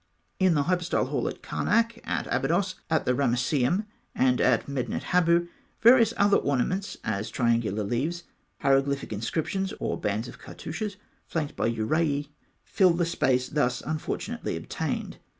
In the hypostyle hall of Karnak, at Abydos, at the Ramesseum, and at Medinet Habû, various other ornaments, as triangular leaves, hieroglyphic inscriptions, or bands of cartouches flanked by uraei, fill the space thus unfortunately obtained.